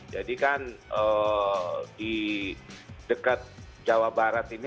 jadi kan di dekat jawa barat ini